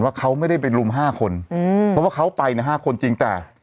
ว่าเขาไม่ได้ไปรุม๕คนเพราะว่าเขาไปเนี่ย๕คนจริงแต่